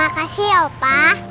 oh ada aku tuh